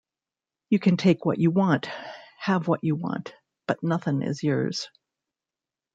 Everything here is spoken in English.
You can take what you want, have what you want, but nothin' is yours.